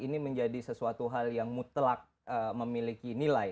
ini menjadi sesuatu hal yang mutlak memiliki nilai